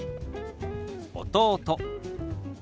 「弟」。